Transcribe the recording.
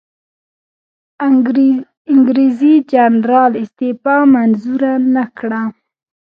انګریزي جنرال استعفی منظوره نه کړه.